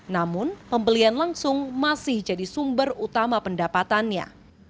namun pembelian langsung masih jadi sumber utama pendapatannya